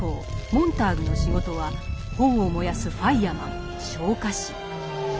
モンターグの仕事は本を燃やすファイアマン昇火士。